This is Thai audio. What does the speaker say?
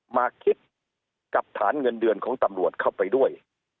มาคิดกับฐานเงินเดือนของตำรวจเข้าไปด้วย